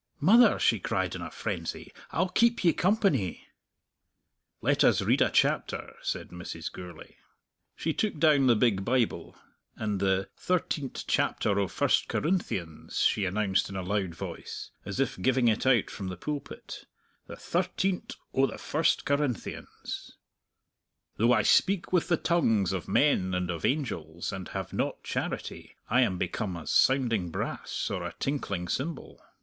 "Mother," she cried in a frenzy, "I'll keep ye company!" "Let us read a chapter," said Mrs. Gourlay. She took down the big Bible, and "the thirteent' chapter o' First Corinthians," she announced in a loud voice, as if giving it out from the pulpit, "the thirteent' o' the First Corinthians:" "_'Though I speak with the tongues of men and of angels, and have not charity, I am become as sounding brass, or a tinkling cymbal.